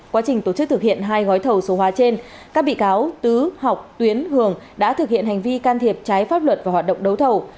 quá trình tổ chức thực hiện hai gói thầu số hóa trên các bị cáo tứ ngọc tuyến hường đã thực hiện hành vi can thiệp trái pháp luật và hoạt động đấu thầu